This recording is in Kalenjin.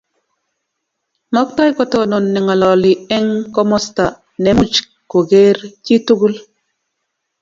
Maktoi kotonon ne ngololi eng komasta nemuch koker chitukul